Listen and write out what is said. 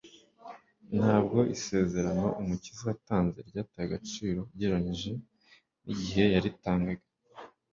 Ntabwo Isezerano Umukiza yatanze ryataye agaciro ugereranyije nigihe yaritangaga